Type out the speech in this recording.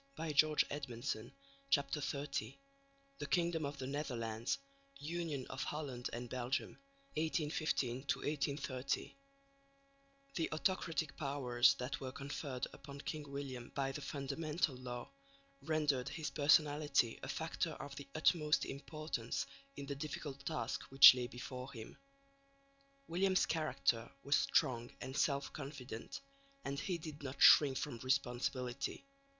CHAPTER XXX THE KINGDOM OF THE NETHERLANDS UNION OF HOLLAND AND BELGIUM, 1815 1830 The autocratic powers that were conferred upon King William by the Fundamental Law rendered his personality a factor of the utmost importance in the difficult task which lay before him. William's character was strong and self confident, and he did not shrink from responsibility.